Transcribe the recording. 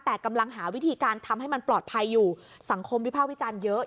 แต่กำลังหาวิธีการทำให้มันปลอดภัยอยู่สังคมวิภาควิจารณ์เยอะ